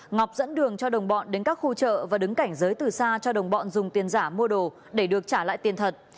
ngọc dẫn đường cho đồng bọn đến các khu chợ và đứng cảnh giới từ xa cho đồng bọn dùng tiền giả mua đồ để được trả lại tiền thật